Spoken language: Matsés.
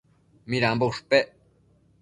Midambo ushpec